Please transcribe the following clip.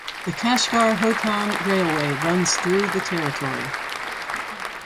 The Kashgar–Hotan railway runs through the territory.